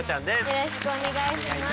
よろしくお願いします。